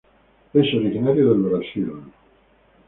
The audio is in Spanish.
Es originario del Brasil.